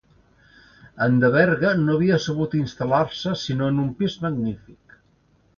En Deberga no havia sabut instal·lar-se sinó en un pis magnífic.